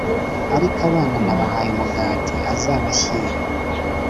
Arkio abana nabahaye umugati azabashyira